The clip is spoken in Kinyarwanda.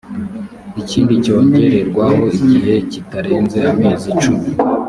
ikindi cyongererwaho igihe kitarenze amezi cumi